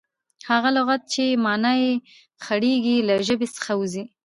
هغه لغت، چي مانا ئې خړېږي، له ژبي څخه وځي.